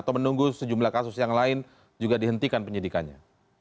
atau menunggu sejumlah kasus yang lain juga dihentikan penyidikannya